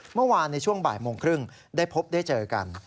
เมื่อวานในช่วงบ่ายโมงครึ่งได้พบได้เจอกัน